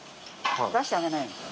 出してあげなよ。